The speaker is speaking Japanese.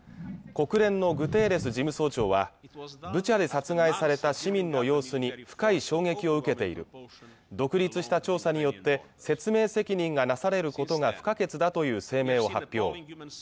国連のグテーレス事務総長はブチャで殺害された市民の様子に深い衝撃を受けている独立した調査によって説明責任がなされることが不可欠だという声明を発表